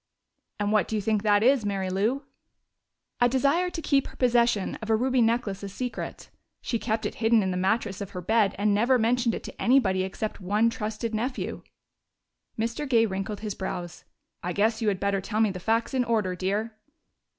"And what do you think that is, Mary Lou?" "A desire to keep her possession of a ruby necklace a secret. She kept it hidden in the mattress of her bed and never mentioned it to anybody except one trusted nephew." Mr. Gay wrinkled his brows. "I guess you had better tell me the facts in order, dear."